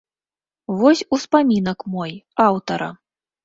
Вось успамінак мой, аўтара.